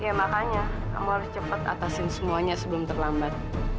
ya makanya kamu harus cepat atasin semuanya sebelum terlambat